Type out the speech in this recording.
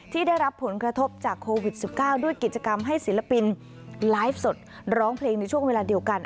ที่ได้รับผลกระทบจากโควิด๑๙ด้วยกิจกรรมให้ศิลปินไลฟ์สดร้องเพลงในช่วงเวลาเดียวกัน